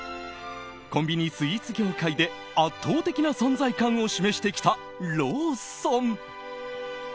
コンビニスイーツ業界で圧倒的な存在感を示してきたローソン。